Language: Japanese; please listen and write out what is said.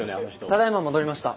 ただいま戻りました。